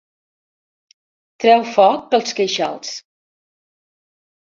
Treu foc pels queixals.